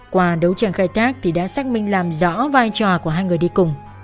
qua đấu tranh khai thác thì đã xác minh làm rõ vai trò của hai người đi cùng